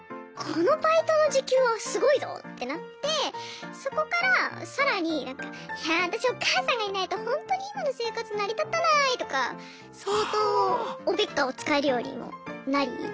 このバイトの時給はすごいぞってなってそこから更にいや私お母さんがいないとほんとに今の生活成り立たないとか相当おべっかを使えるようにもなり。